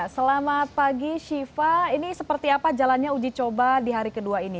selamat pagi siva ini seperti apa jalannya uji coba di hari kedua ini